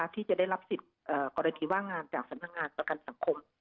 ที่จะได้รับสิทธิ์กรณีว่างงานจากสำนักงานประกันสังคม